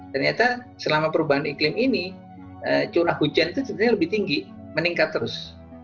ternyata selama perubahan iklim ini curah hujan itu sebenarnya lebih tinggi meningkat terus